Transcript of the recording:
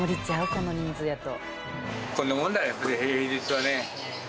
この人数やと。